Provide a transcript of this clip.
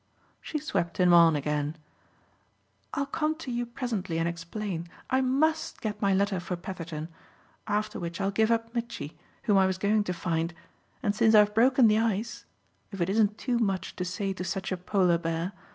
She swept him on again. "I'll come to you presently and explain. I MUST get my letter for Petherton; after which I'll give up Mitchy, whom I was going to find, and since I've broken the ice if it isn't too much to say to such a polar bear!